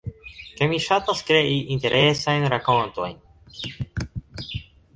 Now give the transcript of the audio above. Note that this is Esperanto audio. kaj mi ŝatas krei interesajn rakontojn